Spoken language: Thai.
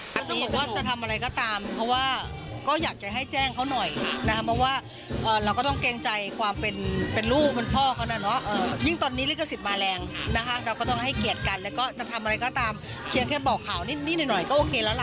อาจจะบอกว่าจะทำอะไรก็ตามเพราะว่าก็อยากจะให้แจ้งเขาหน่อยนะคะเพราะว่าเราก็ต้องเกรงใจความเป็นลูกเป็นพ่อเขานะเนาะยิ่งตอนนี้ลิขสิทธิ์มาแรงนะคะเราก็ต้องให้เกียรติกันแล้วก็จะทำอะไรก็ตามเพียงแค่บอกข่าวนิดหน่อยก็โอเคแล้วล่ะ